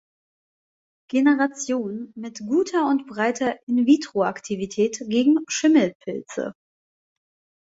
Generation mit guter und breiter in-vitro-Aktivität gegen Schimmelpilze.